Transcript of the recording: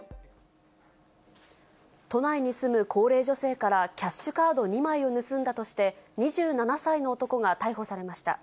都内に住む高齢女性からキャッシュカード２枚を盗んだとして、２７歳の男が逮捕されました。